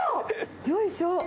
よいしょ。